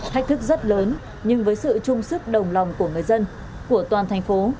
thách thức rất lớn nhưng với sự trung sức đồng lòng của người dân của toàn thành phố